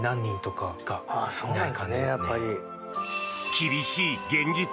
厳しい現実。